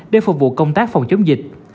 để phục vụ công tác phòng chống dịch